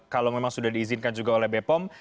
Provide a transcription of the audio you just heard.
kalau memang sudah diizinkan juga oleh bepom